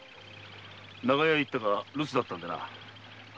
長屋へ行ったが留守だったんでな。